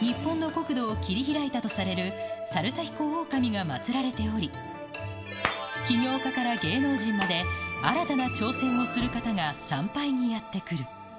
日本の国土を切り開いたとされる、猿田彦大神が祭られており、起業家から芸能人まで、新たな挑戦をする方が参拝にやって来る。